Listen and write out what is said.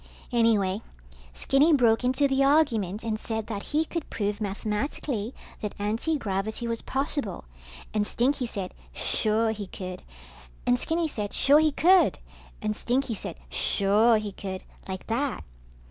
Anyway, Skinny broke into the argument and said that he could prove mathematically that antigravity was possible, and Stinky said suure he could, and Skinny said sure he could, and Stinky said suuure he could, like that.